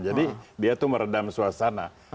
jadi dia itu merendam suasana